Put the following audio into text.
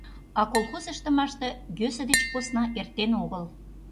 А колхоз ыштымаште йӧсӧ деч посна эртен огыл.